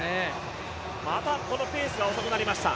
また、このペースが遅くなりました